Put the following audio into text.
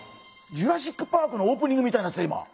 「ジュラシック・パーク」のオープニングみたいになってたよ